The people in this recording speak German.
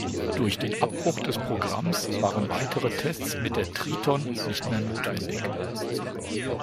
Durch den Abbruch des Programms waren weitere Tests mit der "Triton" nicht mehr notwendig.